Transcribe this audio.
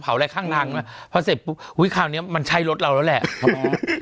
อะไรข้างทางพอเสร็จปุ๊บอุ๊ยคราวนี้มันใช่รถเราแล้วแหละ